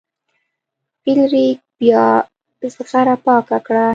فلیریک بیا زغره پاکه کړه.